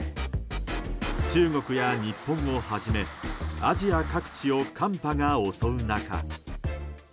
中国や日本をはじめアジア各地を寒波が襲う中。